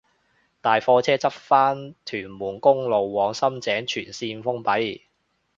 大貨車翻側屯門公路往深井全綫封閉